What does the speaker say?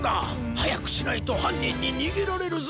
はやくしないとはんにんににげられるぞ！